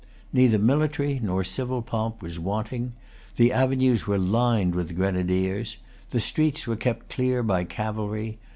Neither military nor civil pomp was wanting. The avenues were lined with grenadiers. The streets were kept clear by cavalry.